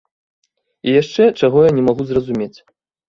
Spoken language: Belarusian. І яшчэ, чаго я не магу зразумець.